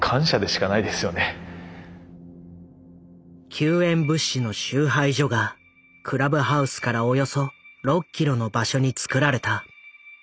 救援物資の集配所がクラブハウスからおよそ６キロの場所に作られた。